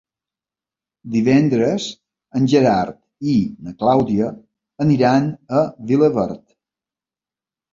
Divendres en Gerard i na Clàudia aniran a Vilaverd.